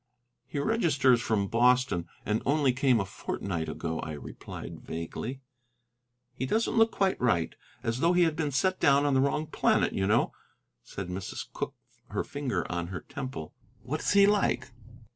"He registers from Boston, and only came a fortnight ago," I replied vaguely. "He doesn't look quite right; as though he had been set down on the wrong planet, you know," said Mrs. Cooke, her finger on her temple. "What is he like?"